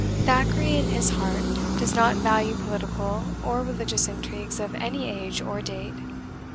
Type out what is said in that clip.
Thackeray, in his heart, does not value political or religious intrigues of any age or date.